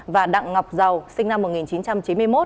và đặng ngọc giàu sinh năm một nghìn chín trăm chín mươi một